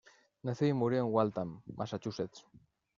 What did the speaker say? Nació y murió en Waltham, Massachusetts.